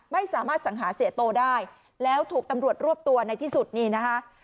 ไม่สามารถสังหาเสียโตได้แล้วถูกตำรวจรวบตัวในที่สุดนี่นะคะ